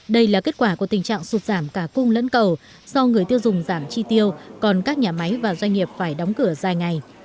đây là kết quả của tình trạng sụt giảm cả cung lẫn cầu do người tiêu dùng giảm chi tiêu còn các nhà máy và doanh nghiệp phải đóng cửa dài ngày